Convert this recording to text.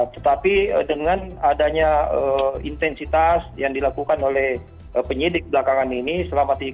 tetapi dengan adanya intensitas yang dilakukan oleh penyidik belakangan ini selama tiga hari